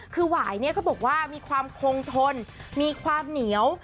คือหวายเนี่ยเขาบอกว่ามีความคงทนมีความเหนียว